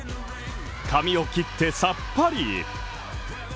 髪を切ってさっぱり。